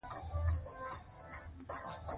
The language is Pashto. د هوایي ټکټ نرخونه د موسم سره بدلېږي.